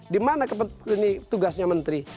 di mana ini tugasnya menteri